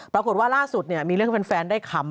ปรากฏว่าล่าสุดมีเรื่องแฟนได้ขำ